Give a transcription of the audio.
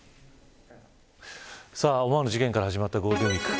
思わぬ事件から始まったゴールデンウイーク。